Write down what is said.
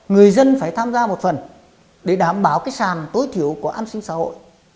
người dân phải tham gia một phần để đảm bảo cái sàn tối thiểu của an sinh xã hội